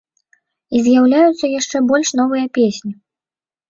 І з'яўляюцца яшчэ больш новыя песні.